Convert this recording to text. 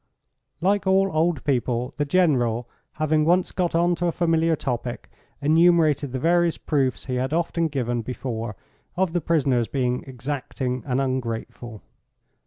Like all old people, the General, having once got on to a familiar topic, enumerated the various proofs he had often given before of the prisoners being exacting and ungrateful.